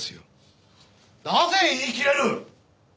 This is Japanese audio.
なぜ言いきれる！？